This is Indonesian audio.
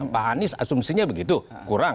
pak anies asumsinya begitu kurang